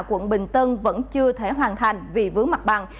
quận bình tân vẫn chưa thể hoàn thành vì vướng mặt bằng